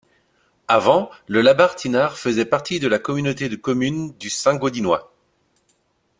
Avant le Labarthe-Inard faisait partie de la communauté de communes du Saint-Gaudinois.